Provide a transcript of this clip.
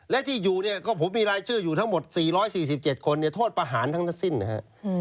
และที่อยู่เนี่ยก็ผมมีรายชื่ออยู่ทั้งหมด๔๔๗คนโทษประหารทั้งทั้งสิ้นนะฮะ